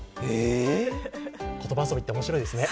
言葉遊びって面白いですね。